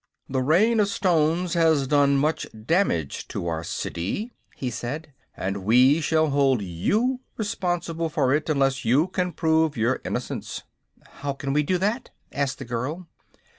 "The Rain of Stones has done much damage to our city," he said; "and we shall hold you responsible for it unless you can prove your innocence." "How can we do that?" asked the girl.